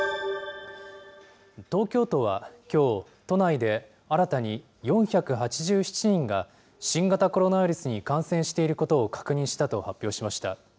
東京都はきょう、都内で新たに４８７人が新型コロナウイルスに感染していることを確認したと発表しました。